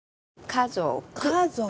家族。